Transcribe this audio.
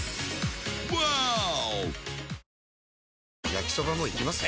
焼きソバもいきます？